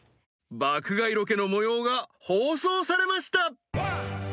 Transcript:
［『爆買い』ロケの模様が放送されました］